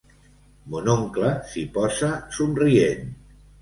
Mon oncle s'hi posa, somrient.